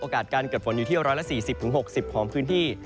การเกิดฝนอยู่ที่๑๔๐๖๐ของพื้นที่